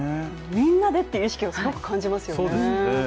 みんなでって意識をすごく感じますよね。